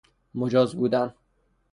مجاز بودن